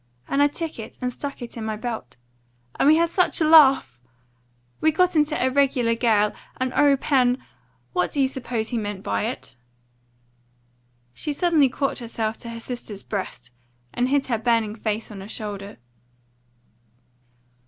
And I took it, and stuck it in my belt. And we had such a laugh! We got into a regular gale. And O Pen, what do you suppose he meant by it?" She suddenly caught herself to her sister's breast, and hid her burning face on her shoulder.